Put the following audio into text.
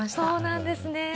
そうなんですね。